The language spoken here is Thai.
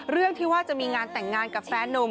เรื่องที่ว่าจะมีงานแต่งงานกับแฟนนุ่ม